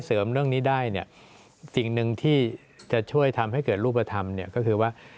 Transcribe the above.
เครื่องตรวจเมาก็มีแค่สองสามเครื่องส่วนปีไม่ดี